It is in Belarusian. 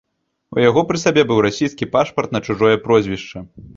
У яго пры сабе быў расійскі пашпарт на чужое прозвішча.